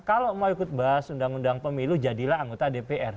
kalau mau ikut bahas undang undang pemilu jadilah anggota dpr